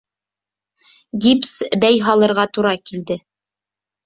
Гипс бәй һалырға тура килде